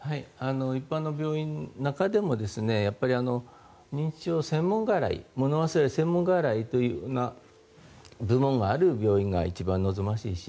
一般の病院の中でも認知症専門外来物忘れ専門外来という部門がある病院が一番望ましいし